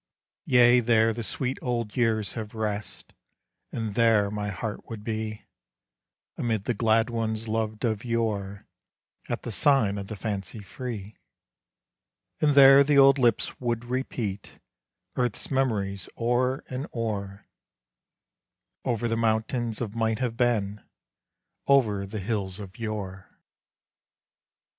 Yea, there the sweet old years have rest, And there my heart would be, Amid the glad ones loved of yore, At the sign of the Fancy Free; And there the old lips would repeat Earth's memories o'er and o'er, Over the mountains of might have been, Over the hills of yore.